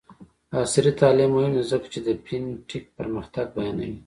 عصري تعلیم مهم دی ځکه چې د فین ټیک پرمختګ بیانوي.